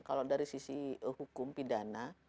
kalau dari sisi hukum pidana